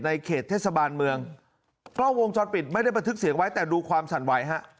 เขตเทศบาลเมืองกล้องวงจรปิดไม่ได้บันทึกเสียงไว้แต่ดูความสั่นไหวฮะ